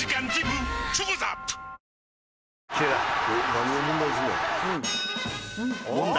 「何を問題にすんの？」